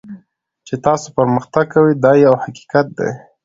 چې تاسو پرمختګ کوئ دا یو حقیقت دی.